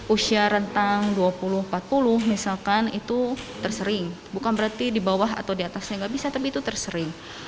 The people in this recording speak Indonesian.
usia rentang dua puluh empat puluh misalkan itu tersering bukan berarti di bawah atau diatasnya nggak bisa tapi itu tersering